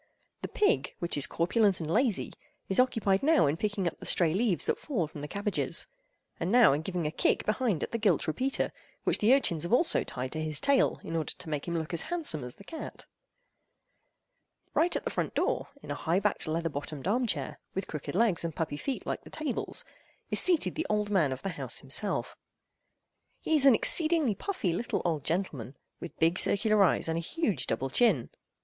The pig—which is corpulent and lazy—is occupied now in picking up the stray leaves that fall from the cabbages, and now in giving a kick behind at the gilt repeater, which the urchins have also tied to his tail in order to make him look as handsome as the cat. Right at the front door, in a high backed leather bottomed armed chair, with crooked legs and puppy feet like the tables, is seated the old man of the house himself. He is an exceedingly puffy little old gentleman, with big circular eyes and a huge double chin.